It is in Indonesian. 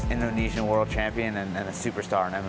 indonesia terbaru dan super star di mma